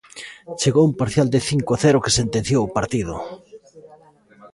Chegou un parcial de cinco a cero que sentenciou o partido.